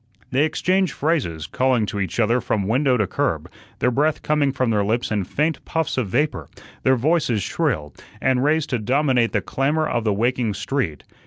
They exchanged phrases, calling to each other from window to curb, their breath coming from their lips in faint puffs of vapor, their voices shrill, and raised to dominate the clamor of the waking street.